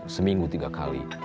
seminggu tiga kali